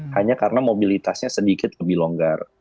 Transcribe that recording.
hanya karena mobilitasnya sedikit lebih longgar